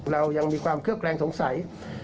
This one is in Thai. เรายังมีความเคลือบแคลงสงสัย